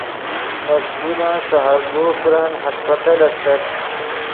نے سکولن سے ہرزوغ کرن ہسپتل استت